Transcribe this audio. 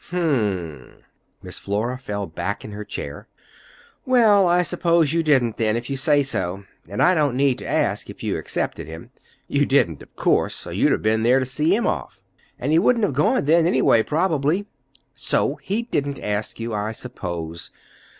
"Hm m." Miss Flora fell back in her chair. "Well, I suppose you didn't, then, if you say so. And I don't need to ask if you accepted him. You didn't, of course, or you'd have been there to see him off. And he wouldn't have gone then, anyway, probably. So he didn't ask you, I suppose.